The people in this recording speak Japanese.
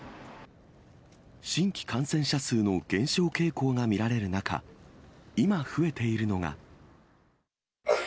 新規感染者数の減少傾向が見られる中、今、増えているのが。